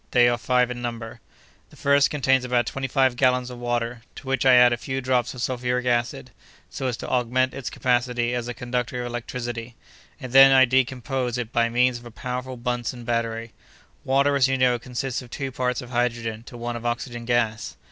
They are five in number. "The first contains about twenty five gallons of water, to which I add a few drops of sulphuric acid, so as to augment its capacity as a conductor of electricity, and then I decompose it by means of a powerful Buntzen battery. Water, as you know, consists of two parts of hydrogen to one of oxygen gas.